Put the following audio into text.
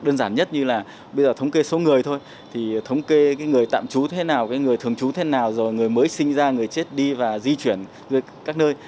đơn giản nhất như là bây giờ thống kê số người thôi thì thống kê người tạm trú thế nào cái người thường trú thế nào rồi người mới sinh ra người chết đi và di chuyển các nơi